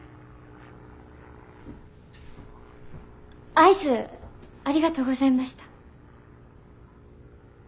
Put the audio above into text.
アイスありがとうございました。